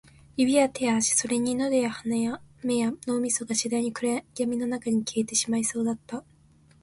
指や手や足、それに喉や鼻や目や脳みそが、次第に暗闇の中に消えてしまいそうだった